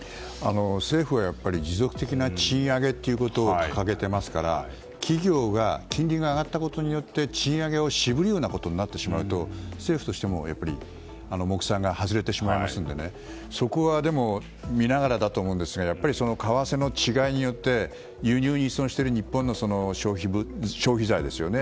政府は持続的な賃上げを掲げていますから企業が、金利が上がったことで賃上げを渋るようなことになると政府としても目算が外れてしまいますのでそこは見ながらだと思うんですがやっぱり為替の違いによって輸入に依存している日本の消費財ですよね。